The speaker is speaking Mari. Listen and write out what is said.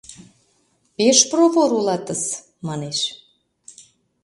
— Пеш провор улатыс, манеш.